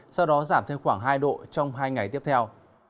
sau đó giảm thêm khoảng hai độ trong hai ngày tiếp theo